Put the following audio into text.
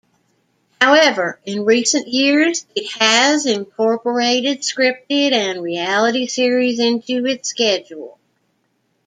However, in recent years, it has incorporated scripted and reality series into its schedule.